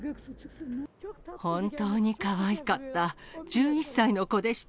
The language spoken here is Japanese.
本当にかわいかった、１１歳の子でした。